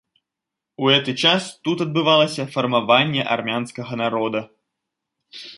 У гэты час тут адбывалася фармаванне армянскага народа.